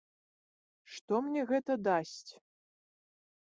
Што мне гэта дасць?